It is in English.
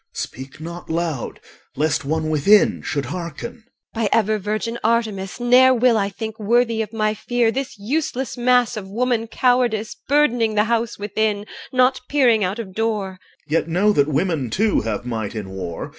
speak not loud, lest one within should hearken. EL. By ever virgin Artemis, ne'er will I Think worthy of my fear This useless mass of woman cowardice Burdening the house within, Not peering out of door. OR. Yet know that women too have might in war.